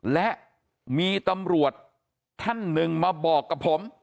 และมีตำรวจท่านหนึ่งมาบอกกับผม